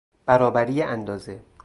برابری اندازه